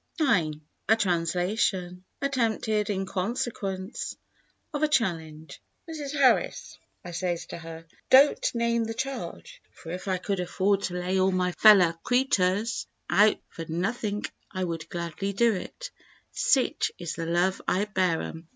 ix—A Translation (Attempted in consequence of a challenge.) "'Mrs. Harris,' I says to her, 'dont name the charge, for if I could afford to lay all my feller creeturs out for nothink I would gladly do it; sich is the love I bear 'em.